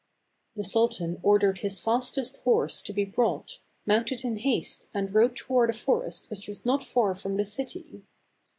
The sultan ordered his fastest horse to be brought, mounted in haste and rode toward a forest which was not far from the city.